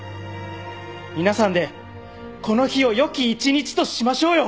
皆さんでこの日を良き一日としましょうよ！